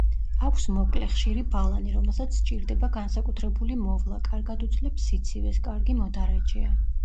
აქვს მოკლე, ხშირი ბალანი, რომელსაც სჭირდება განსაკუთრებული მოვლა, კარგად უძლებს სიცივეს, კარგი მოდარაჯეა.